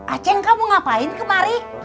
aceh kamu ngapain kemari